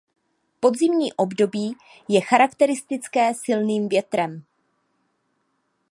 Podzimní období je charakteristické silným větrem.